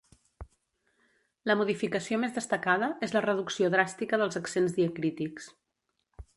La modificació més destacada és la reducció dràstica dels accents diacrítics.